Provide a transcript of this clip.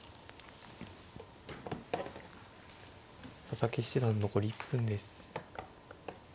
佐々木七段残り１分です。